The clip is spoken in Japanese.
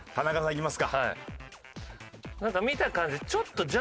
いきます。